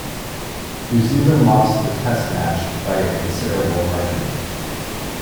New Zealand lost the Test match by a considerable margin.